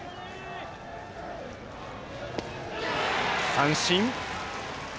三振！